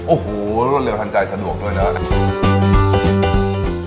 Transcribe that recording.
โอ้โหเร็วทันใจสะดวกด้วยนะ